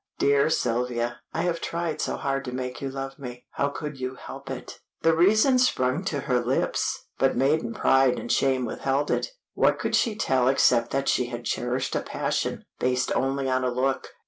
"Dear Sylvia, I have tried so hard to make you love me, how could you help it?" The reason sprung to her lips, but maiden pride and shame withheld it. What could she tell except that she had cherished a passion, based only on a look.